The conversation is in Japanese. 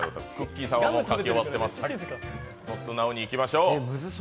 素直にいきましょう。